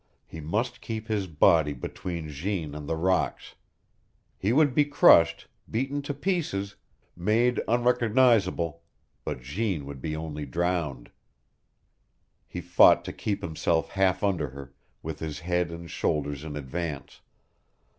He must keep his body between Jeanne and the rocks. He would be crushed, beaten to pieces, made unrecognizable, but Jeanne would be only drowned. He fought to keep himself half under her, with his head and shoulders in advance.